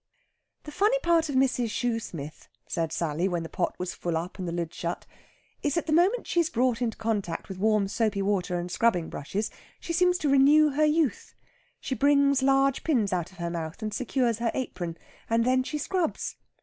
"The funny part of Mrs. Shoosmith," said Sally, when the pot was full up and the lid shut, "is that the moment she is brought into contact with warm soapy water and scrubbing brushes, she seems to renew her youth. She brings large pins out of her mouth and secures her apron. And then she scrubs.